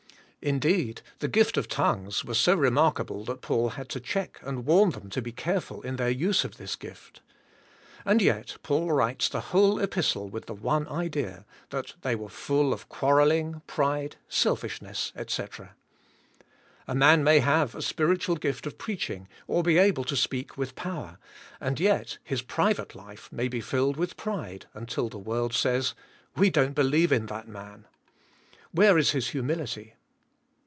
Indeed the gift of tongues was so remarkable that Paul had to check and warn them to be careful in their use of this gift. And yet Paul writes the whole epistle with the one idea, that they were full of quarrjelliiig, pride, selfish ness, etc. A man may have a spiritual gift of preaching or be able to speak with power, and yet his private life m.a.y be filled with pride until the world says, "we don't believe in that man." Y/here is his humility?